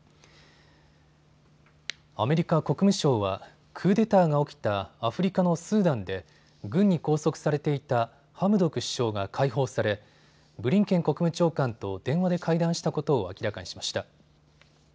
アメリカ国務省はクーデターが起きたアフリカのスーダンで軍に拘束されていたハムドク首相が解放されブリンケン国務長官と電話で会談したことを明らかにしました。